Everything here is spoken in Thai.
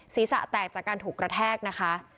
ศีรษะแตกจากการถูกกระแทกนะคะ